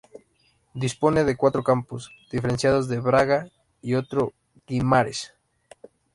Dispone de cuatro campus diferenciados en Braga y otro en Guimaraes.